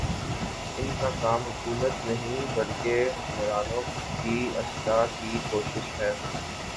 ان کا کام حکومت نہیں، بلکہ حکمرانوں کی اصلاح کی کوشش ہے